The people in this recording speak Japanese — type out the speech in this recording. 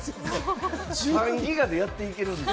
３ギガでやっていけるんですか？